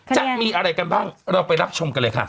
จะมีอะไรกันบ้างเราไปรับชมกันเลยค่ะ